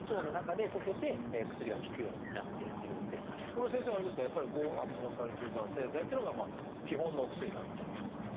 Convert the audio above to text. これは先生あれですかやっぱり５−アミノサリチル酸製剤っていうのが基本のお薬になるっていうことですか？